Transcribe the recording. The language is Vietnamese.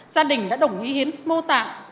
gia đình đã đồng ý hiến mô tạng